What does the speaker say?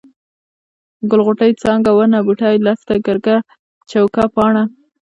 ګل، غوټۍ، څانګه ، ونه ، بوټی، لښته ، ګرګه ، چوکه ، پاڼه،